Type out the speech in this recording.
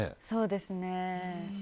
そうですね。